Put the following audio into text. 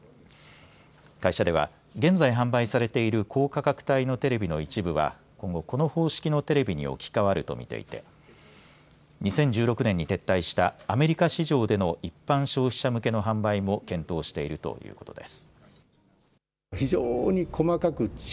会社では現在販売されている高価格帯のテレビの一部は今後この方式のテレビに置き換わると見ていて２０１６年に撤退したアメリカ市場での一般消費者向けの販売も検討しているということです。